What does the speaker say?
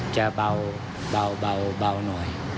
จะเบาเบาเบาเบาหน่อย